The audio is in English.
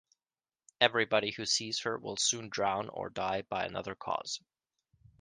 Everybody who sees her will soon drown or die by another cause.